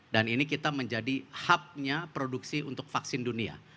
dan ini kita menjadi hubnya produksi untuk vaksin dunia